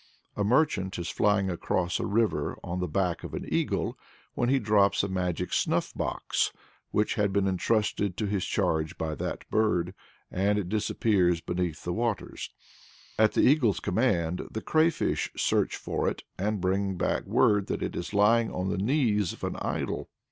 A merchant is flying across a river on the back of an eagle, when he drops a magic "snuff box," which had been entrusted to his charge by that bird, and it disappears beneath the waters. At the eagle's command, the crayfish search for it, and bring back word that it is lying "on the knees of an Idol."